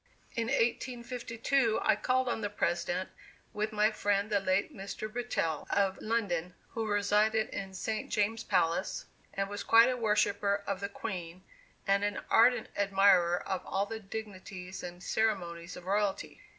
In 1852 I called on the President with my friend the late Mr. Brettell, of London, who resided in St. James Palace, and was quite a worshipper of the Queen, and an ardent admirer of all the dignities and ceremonies of royalty.